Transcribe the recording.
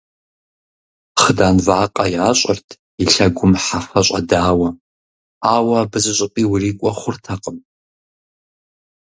Хъыдан вакъэ ящӀырт, и лъэгум хьэфэ щӀэдауэ, ауэ абы зыщӀыпӀи урикӀуэ хъуртэкъым.